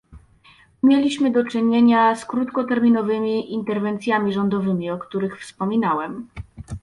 Mieliśmy do czynienia z krótkoterminowymi interwencjami rządowymi, o których wspomniałem